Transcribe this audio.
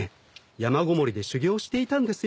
山ごもりで修行していたんですよ。